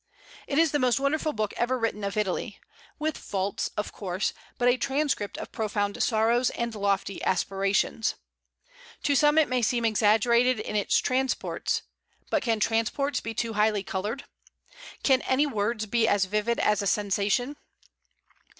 It is the most wonderful book ever written of Italy, with faults, of course, but a transcript of profound sorrows and lofty aspirations. To some it may seem exaggerated in its transports; but can transports be too highly colored? Can any words be as vivid as a sensation?